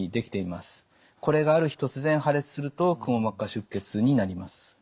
これがある日突然破裂するとくも膜下出血になります。